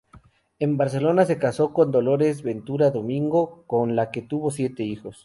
En Barcelona se casó con Dolores Ventura Domingo, con la que tuvo siete hijos.